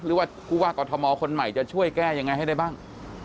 หรือว่ากฎธมคนใหม่จะช่วยแก้อย่างไรให้ได้บ้าง